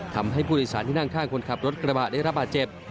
ทำให้ผู้โดยสารที่นั่งข้างคนขับรถกระบะได้รับบาดเจ็บ